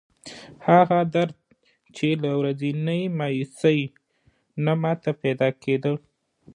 هغه درد چې له ورځنۍ مایوسۍ نه ماته پیدا کېده.